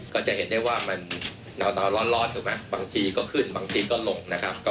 ก็จะเห็นได้ว่ามันร้อนบางทีก็ขึ้นบางทีก็ลง